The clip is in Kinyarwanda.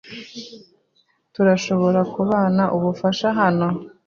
Turashobora kubona ubufasha hano?